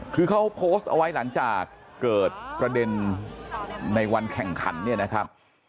คือเขาโพสต์เอาไว้หลังจากเกิดประเด็นในวันแข่งขันเนี่ยนะครับ